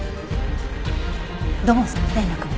土門さんに連絡を。